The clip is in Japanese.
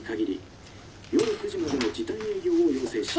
「夜９時までの時短営業を要請し」。